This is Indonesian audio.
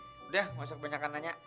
hehehe udah mau sebanyakan nanya